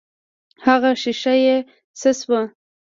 هغه ښيښه يې څه سوه.